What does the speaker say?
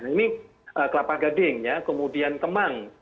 ini kelapa gading kemudian kemang